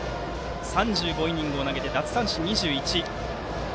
３５イニングを投げて奪三振２１。